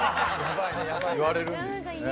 言われるんですよね。